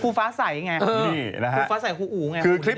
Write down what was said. คู่ฟ้าใสไงคู่ฟ้าใสคู่อู๋ไง